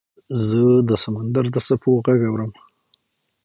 زه د سمندر د څپو غږ اورم .